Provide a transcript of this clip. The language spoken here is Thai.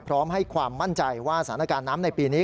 พร้อมให้ความมั่นใจว่าสถานการณ์น้ำในปีนี้